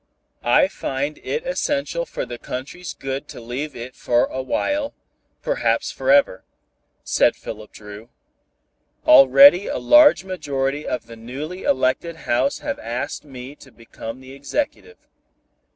"I find it essential for the country's good to leave it for awhile, perhaps forever," said Philip Dru. "Already a large majority of the newly elected House have asked me to become the Executive.